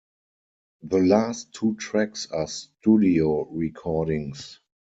The last two tracks are studio recordings.